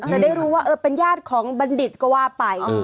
จะได้รู้ว่าเอ๊อเป็นยาจของบันดิษฐ์ก็ว่าไป